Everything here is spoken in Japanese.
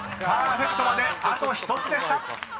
パーフェクトまであと１つでした］